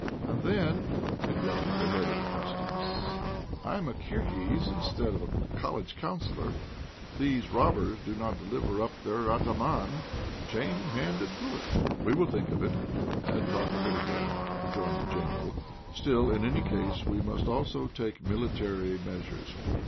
"And then," interrupted the head of the Customs, "I'm a Kirghiz instead of a College Counsellor if these robbers do not deliver up their atáman, chained hand and foot." "We will think of it, and talk of it again," rejoined the General. "Still, in any case, we must also take military measures.